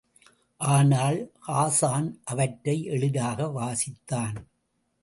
ஆனால் ஹாஸான் அவற்றை எளிதாக வாசித்தான்.